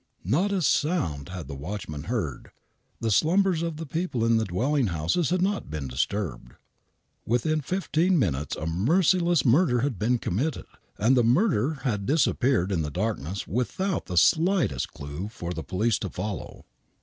Not a sound had the watchman heard. The slumbers of the people in the dwelling houses had not been disturbed. Within fifteen minutes a merciless murder had been committed, and the murderer had disappeared in the darkness without the slightest clue for the police to follow.